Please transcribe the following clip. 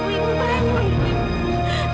ibu bangun ibu